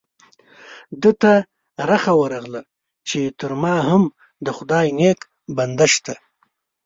ده ته رخه ورغله چې تر ما هم د خدای نیک بنده شته.